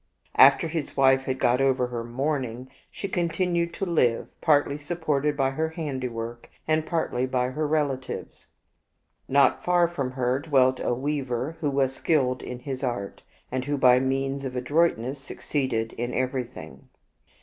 After his wife had got over her mourning, she continued to live, partly supported by her handiwork, and partly by her relatives. Not far from her dwelt a weaver who was skilled in his art, and who by means of adroitness succeeded in ever3rthing.